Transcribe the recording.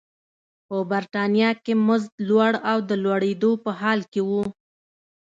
په برېټانیا کې مزد لوړ او د لوړېدو په حال کې و.